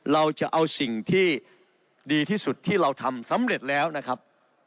เราจะเอาสิ่งที่ดีที่สุดที่เราทำสำเร็จแล้วนะครับ